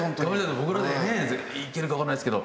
僕らでねいけるかわからないですけど。